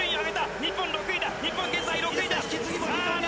日本現在６位だ。